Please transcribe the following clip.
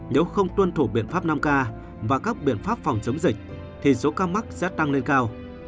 nếu không tuân thủ biện pháp năm k và các biện pháp phòng chống dịch thì số ca mắc sẽ tăng lên cao